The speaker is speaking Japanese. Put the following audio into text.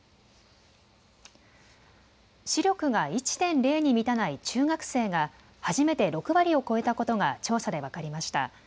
視力が１．０に満たない中学生が初めて６割を超えたことが調査で分かりました。